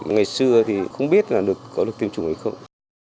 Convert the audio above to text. ngày xưa thì không biết là có được tiêm chủng hay không